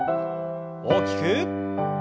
大きく。